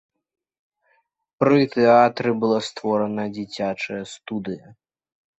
Пры тэатры была створана дзіцячая студыя.